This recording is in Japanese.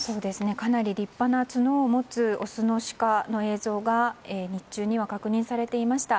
かなり立派な角を持つオスのシカの映像が日中には確認されていました。